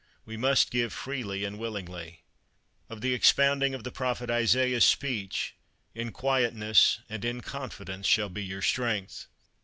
We must give freely and willingly." Of the expounding of the Prophet Isaiah's Speech: "In Quietness and in Confidence shall be your Strength.